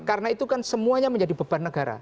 karena itu kan semuanya menjadi beban negara